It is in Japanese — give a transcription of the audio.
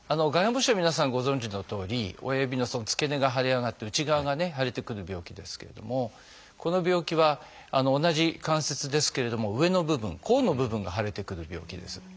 外反母趾は皆さんご存じのとおり親指の付け根が腫れ上がって内側がね腫れてくる病気ですけれどもこの病気は同じ関節ですけれども上の部分甲の部分が腫れてくる病気です。